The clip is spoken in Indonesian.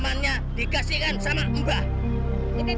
ternyata kan ada bu ya bu ya